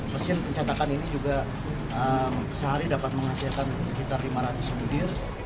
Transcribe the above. mesin pencetakan ini juga sehari dapat menghasilkan sekitar lima ratus butir